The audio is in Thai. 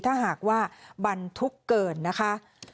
ถ้าหากว่าบรรทุกเกินนะคะ